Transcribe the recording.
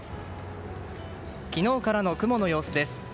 昨日からの雲の様子です。